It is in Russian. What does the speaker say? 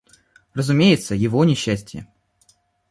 Разумеется, его несчастье...